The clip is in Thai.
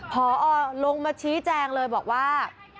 พอลงมาชี้แจงเลยบอกว่า